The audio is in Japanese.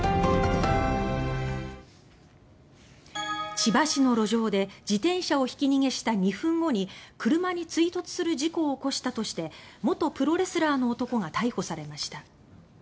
千葉市の路上で自転車をひき逃げした２分後に車に追突する事故を起こしたとして元プロレスラーの男が逮捕されました。